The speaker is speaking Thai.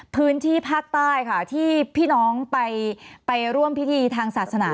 พื้นที่ภาคใต้ค่ะที่พี่น้องไปร่วมพิธีทางศาสนา